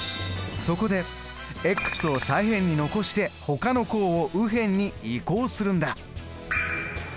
そこでを左辺に残してほかの項を右辺に移項するんだ。